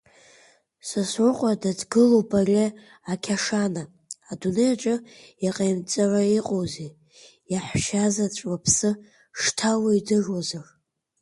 Сасрыҟәа дадгылоуп ари ақьашана, дунеи аҿы иҟаимҵара иҟоузеи, иаҳәшьазаҵә лыԥсы шҭало идыруазар.